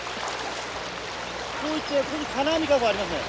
こう行ってここに金網籠ありますね。